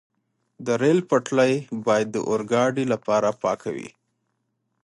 د ریل پټلۍ باید د اورګاډي لپاره پاکه وي.